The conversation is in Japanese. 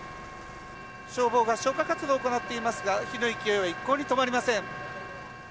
消防が消火活動を行っていますが火の勢いは一向に止まりません。